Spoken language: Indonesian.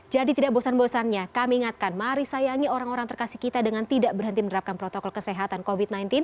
jadi tidak bosan bosannya kami ingatkan mari sayangi orang orang terkasih kita dengan tidak berhenti menerapkan protokol kesehatan covid sembilan belas